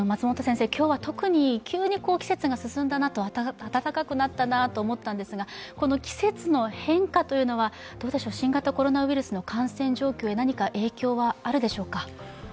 今日は特に急に季節が進んだなと、暖かくなったなと思ったんですがこの季節の変化というのは新型コロナウイルスの感染状況に何か影響はあるでしょうか？